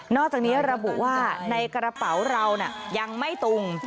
อกจากนี้ระบุว่าในกระเป๋าเรายังไม่ตุง